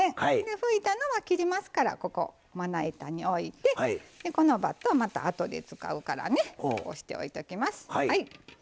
拭いたのは切りますからここまな板においてこのバットはまたあとで使うからねこうしておいときます。